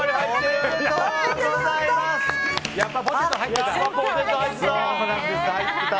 やっぱポテト入ってた！